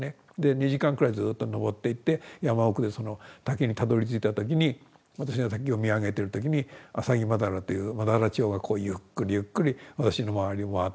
２時間くらいずっと登っていって山奥でその滝にたどりついた時に私が滝を見上げてる時にアサギマダラというマダラチョウがこうゆっくりゆっくり私の周りを回って。